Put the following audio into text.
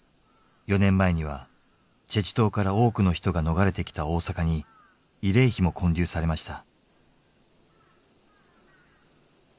４年前には済州島から多くの人が逃れてきた大阪に慰霊碑も建立されました。